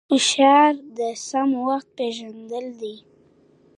هوښیاري د سم وخت پېژندل دي؛